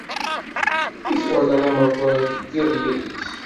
Mi twalaḍ amakar, teddiḍ yid-s.